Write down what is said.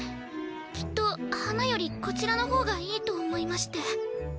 きっと花よりこちらの方がいいと思いまして。